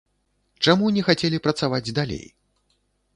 Чаму не хацелі працаваць далей?